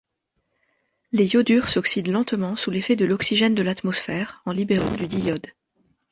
Les iodures s'oxydent lentement sous l'effet de l'oxygène de l'atmosphère en libérant du diiode.